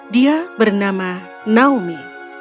dia bernama naomi